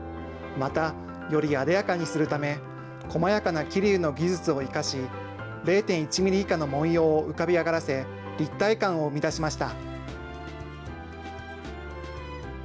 また、よりあでやかにするため、こまやかな桐生の技術を生かし、０．１ミリ以下の紋様を浮かび上がらせ、立体感を生み出しました。